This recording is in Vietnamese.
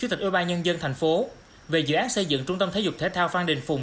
chủ tịch ủy ban nhân dân tp hcm quyết định dừng đầu tư dự án xây dựng trung tâm thể dục thể thao phan đình phùng